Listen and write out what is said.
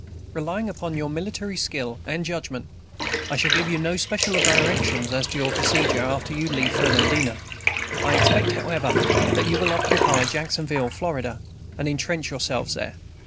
Relying upon your military skill and judgment. I shall give you no special directions as to your procedure after you leave Fernandina. I expect, however, that you will occupy Jacksonville, Florida, and intrench yourselves there.